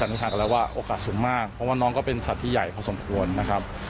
นิษฐานกันแล้วว่าโอกาสสูงมากเพราะว่าน้องก็เป็นสัตว์ที่ใหญ่พอสมควรนะครับ